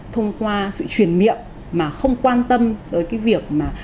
thông qua sự truyền miệng mà không quan tâm tới cái việc mà